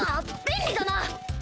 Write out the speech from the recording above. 便利だな！